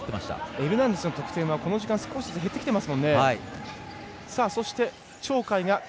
エルナンデスの得点はこの時間少し減ってきています。